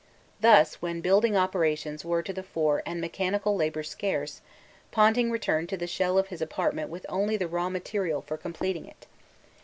Thus, when building operations were to the fore and mechanical labour scarce, Ponting returned to the shell of his apartment with only the raw material for completing it.